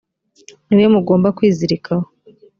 ni we mugomba kwizirikaho.